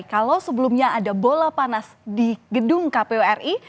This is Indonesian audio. kalau sebelumnya ada bola panas di gedung kpu ri